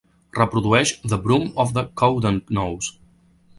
Reprodueix The Broom Of The Cowdenknowes.